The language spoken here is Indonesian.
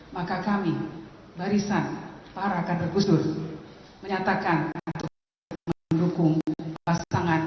maka kami barisan para kader gus dur menyatakan